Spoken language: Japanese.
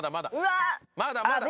まだまだ！